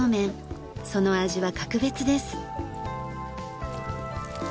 その味は格別です。